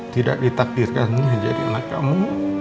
tidak ditakdirkan menjadi anak kamu